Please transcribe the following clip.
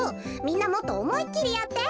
みんなもっとおもいっきりやって。